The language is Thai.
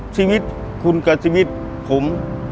ชีวิตคุณกับชีวิตผม